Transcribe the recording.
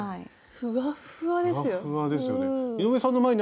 ふわっふわですよね。